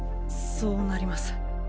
そうなります。